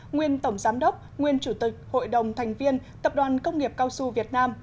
nguyên tổng giám đốc nguyên chủ tịch hội đồng thành viên tập đoàn công nghiệp cao su việt nam